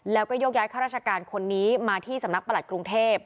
แล้วก็ยกย้ายข้าราชการคนนี้มาที่สำนักประหลัดกรุงเทพ